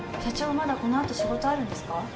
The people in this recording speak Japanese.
まだこのあと仕事あるんですか？